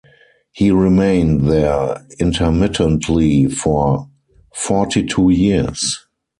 He remained there intermittently for forty-two years.